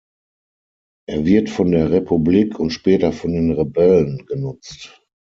Er wird von der Republik und später von den Rebellen genutzt.